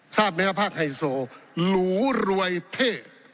ทราบไหมครับภาคไฮโซหรูรวยเท่